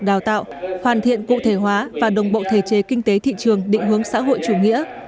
đào tạo hoàn thiện cụ thể hóa và đồng bộ thể chế kinh tế thị trường định hướng xã hội chủ nghĩa